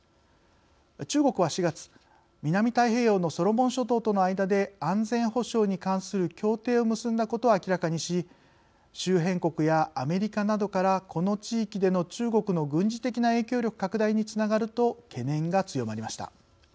中国は、４月南太平洋のソロモン諸島との間で安全保障に関する協定を結んだことを明らかにし周辺国やアメリカなどからこの地域での中国の軍事的な影響力拡大につながると懸念が強まりました。